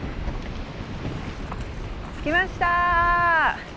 着きました！